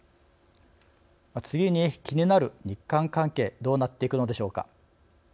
次に、気になる日韓関係どうなっていくのでしょうか。